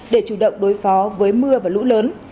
để chủ động đối phó với mưa và lũ lớn